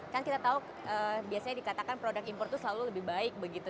kan kita tahu biasanya dikatakan produk impor itu selalu lebih baik begitu